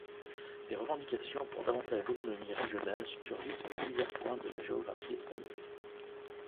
Des revendications pour davantage d'autonomie régionale surgissent en divers points de la géographie espagnole.